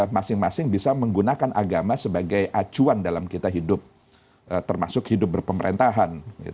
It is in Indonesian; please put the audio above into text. masing masing bisa menggunakan agama sebagai acuan dalam kita hidup termasuk hidup berpemerintahan